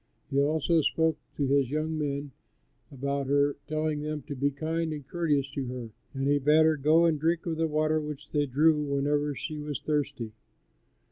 He also spoke to his young men about her, telling them to be kind and courteous to her, and he bade her go and drink of the water which they drew whenever she was thirsty.